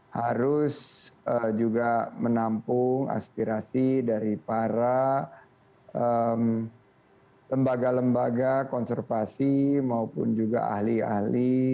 harus juga menampung aspirasi dari para lembaga lembaga konservasi maupun juga ahli ahli